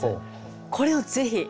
これをぜひ！